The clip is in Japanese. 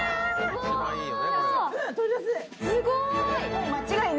すごーい！